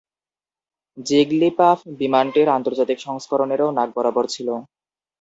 জিগ্লিপাফ বিমানটির আন্তর্জাতিক সংস্করণেরও নাক বরাবর ছিল।